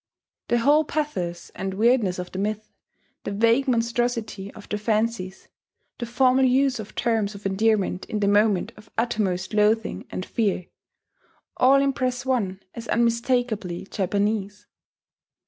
The whole pathos and weirdness of the myth, the vague monstrosity of the fancies, the formal use of terms of endearment in the moment of uttermost loathing and fear, all impress one as unmistakably Japanese.